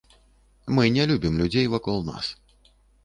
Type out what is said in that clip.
Мы не любім людзей вакол нас.